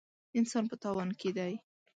انسان په تاوان کې دی.